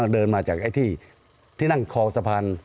เดินมาจากไอ้ที่นั่งคอสะพาน